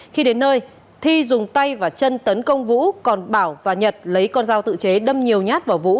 khi đến nơi thi dùng tay và chân tấn công vũ còn bảo và nhật lấy con dao tự chế đâm nhiều nhát vào vũ